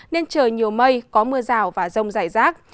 nên trời nhiều mây có mưa rào và rông rải rác